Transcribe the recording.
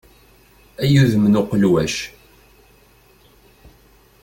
Ay udem n uqelwac!